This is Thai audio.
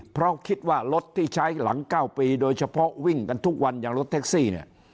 เพราะคิดว่ารถที่ใช้หลัง๙ปีโดยเฉพาะวิ่งกันทุกวันอย่างรถแท็กซี่เนี่ย